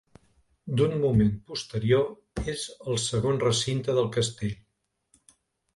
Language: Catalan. D'un moment posterior és el segon recinte del castell.